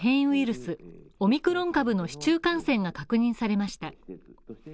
スオミクロン株の市中感染が確認されました。